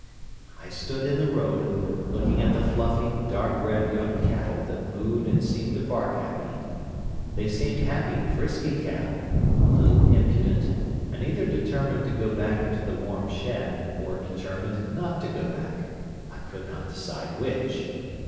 I stood in the road, looking at the fluffy, dark red young cattle that mooed and seemed to bark at me. They seemed happy, frisky cattle, a little impudent, and either determined to go back into the warm shed, or determined not to go back. I could not decide which.